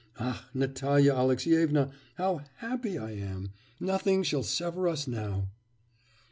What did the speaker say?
Ah, Natalya Alexyevna, how happy I am! Nothing shall sever us now!